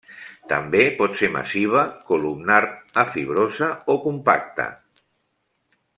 També pot ser massiva, columnar a fibrosa o compacta.